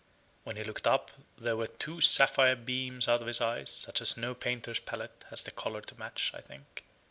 When he looked up there were two sapphire beams out of his eyes such as no painter's palette has the color to match, I think.